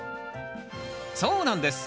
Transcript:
そうなんです。